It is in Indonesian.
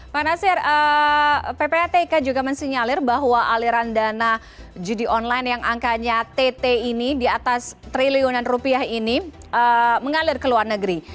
pak nasir ppatk juga mensinyalir bahwa aliran dana judi online yang angkanya tt ini di atas triliunan rupiah ini mengalir ke luar negeri